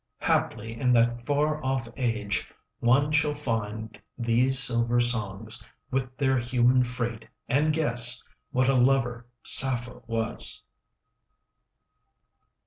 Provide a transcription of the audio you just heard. Haply in that far off age 5 One shall find these silver songs, With their human freight, and guess What a lover Sappho was.